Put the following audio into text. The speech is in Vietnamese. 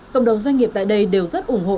cộng đồng doanh nghiệp tại đây đều rất ủng hộ